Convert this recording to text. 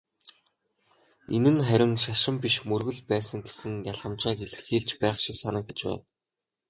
Энэ нь харин "шашин" биш "мөргөл" байсан гэсэн ялгамжааг илэрхийлж байх шиг санагдаж байна.